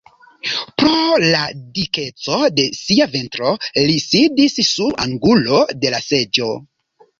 Pro la dikeco de sia ventro li sidis sur angulo de la seĝo.